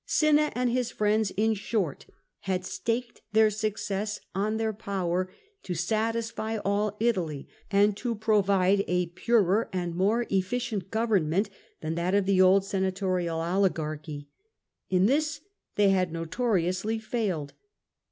Cinna and his friends, in short, had staked their success on their power to satisfy all Italy, and to provide a purer and a more efficient government than that of the old senatorial oligarchy. In this they had notoriously failed.